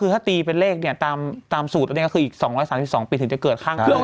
คือถ้าตีเป็นเลขเนี่ยตามสูตรอันนี้ก็คืออีก๒๓๒ปีถึงจะเกิดข้างเคีย